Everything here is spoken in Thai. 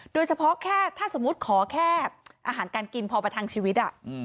โดยเฉพาะแค่ถ้าสมมุติขอแค่อาหารการกินพอประทังชีวิต